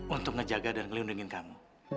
untuk menjaga dan melindungi kamu